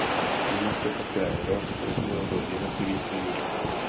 Tím se také rod rozdělil do jednotlivých linií.